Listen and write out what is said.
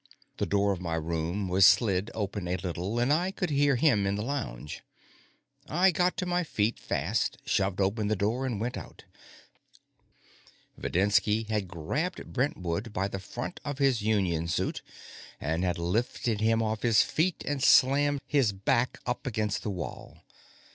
The door of my room was slid open a little, and I could hear him in the lounge. I got to my feet fast, shoved open the door, and went out. Videnski had grabbed Brentwood by the front of his union suit, and had lifted him off his feet and slammed his back up against the wall.